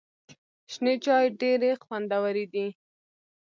شنې چای ډېري خوندوري دي .